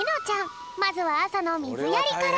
まずはあさのみずやりから。